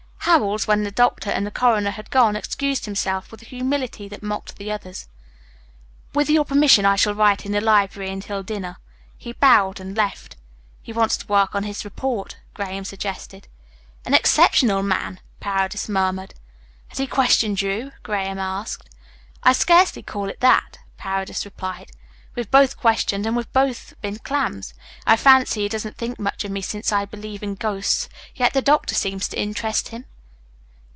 Howells, when the doctor and the coroner had gone, excused himself with a humility that mocked the others: "With your permission I shall write in the library until dinner." He bowed and left. "He wants to work on his report," Graham suggested. "An exceptional man!" Paredes murmured. "Has he questioned you?" Graham asked. "I'd scarcely call it that," Paredes replied. "We've both questioned, and we've both been clams. I fancy he doesn't think much of me since I believe in ghosts, yet the doctor seems to interest him."